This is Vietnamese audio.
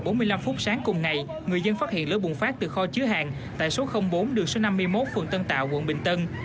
khoảng bốn mươi năm phút sáng cùng ngày người dân phát hiện lỡ bùng phát từ kho chứa hàng tại số bốn đường số năm mươi một phường tân tạo quận bình tân